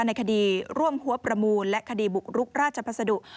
ในคดีร่วมหัวประมูลและคดีบุกรุกราชพัสดุ